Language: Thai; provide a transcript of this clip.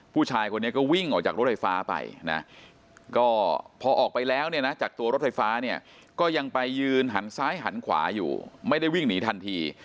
ผู้ชายคนนี้ก็วิ่งออกจากรถไฟฟ้าไปนะก็พอออกไปแล้วเนี่ยนะจากตัวรถไฟฟ้าเนี่ยก็ยังไปยืนหันซ้ายหันขวาอยู่ไม่ได้วิ่งหนีทันที